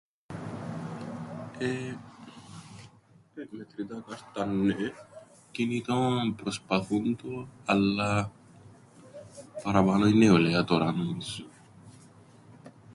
Εεε... μετρητά, κάρταν, νναι. Κινητόν, προσπαθούν το, αλλά παραπάνω η νεολαία τωρά νομίζω.